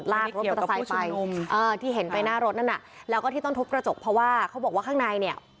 ลากรถมอเตอร์ไซค์ไปที่เห็นไปหน้ารถนั่นน่ะแล้วก็ที่ต้องทุบกระจกเพราะว่าเขาบอกว่าข้างในเนี่ย